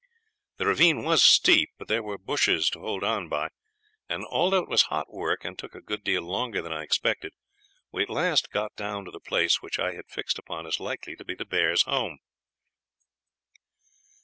The ravine was steep, but there were bushes to hold on by, and although it was hot work and took a good deal longer than I expected, we at last got down to the place which I had fixed upon as likely to be the bears' home.